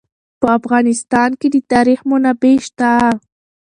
په افغانستان کې د تاریخ منابع شته.